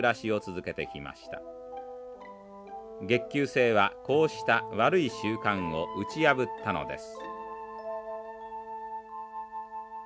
月給制はこうした悪い習慣を打ち破ったのです。